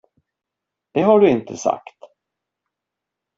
Det har du inte sagt.